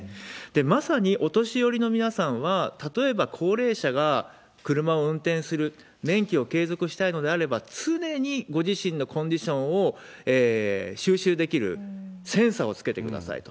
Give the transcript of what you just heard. まさにお年寄りの皆さんは、例えば高齢者が車を運転する、免許を継続したいのであれば、常にご自身のコンディションを収集できるセンターをつけてくださいと。